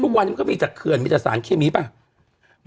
ทุกวันมันก็มีจากเคือนมีจากสารเคมีป่ะอืม